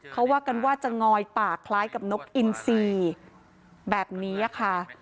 เขาว่ากันว่าจะงอยปากคล้ายกับนกอินซีแบบนี้ค่ะ